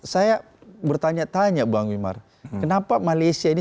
saya bertanya tanya bang wimar kenapa malaysia ini